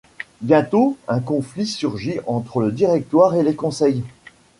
Bientôt, un conflit surgit entre le Directoire et les Conseils.